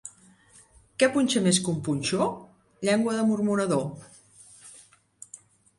Què punxa més que un punxó? Llengua de murmurador.